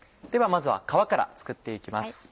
ではまずは皮から作って行きます。